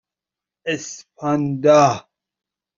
اسپاندا